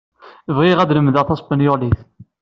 Bɣiɣ ad lemdeɣ taspenyulit.